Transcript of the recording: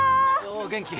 おお元気。